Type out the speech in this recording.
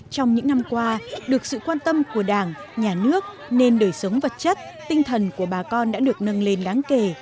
trong những năm qua được sự quan tâm của đảng nhà nước nên đời sống vật chất tinh thần của bà con đã được nâng lên đáng kể